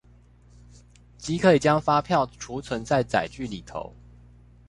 即可以將發票儲存在載具裏頭